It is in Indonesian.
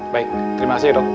baik terima kasih dok